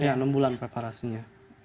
ya enam bulan preparasinya